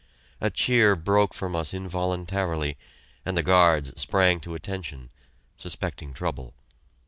A cheer broke from us involuntarily, and the guards sprang to attention, suspecting trouble.